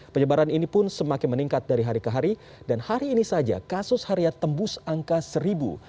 penyebaran ini pun semakin meningkat dari hari ke hari dan hari ini saja kasus harian tembus angka seribu